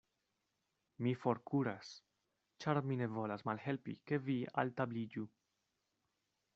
Mi forkuras; ĉar mi ne volas malhelpi, ke vi altabliĝu.